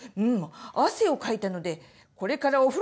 汗をかいたのでこれからお風呂に入ろう。